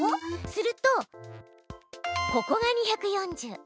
するとここが２４０。